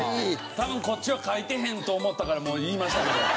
多分こっちは書いてへんと思ったからもう言いましたけど。